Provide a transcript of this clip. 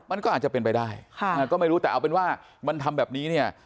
มันก็อาจจะเป็นไปได้ค่ะก็ไม่รู้แต่เอาเป็นว่ามันทำแบบนี้เนี่ย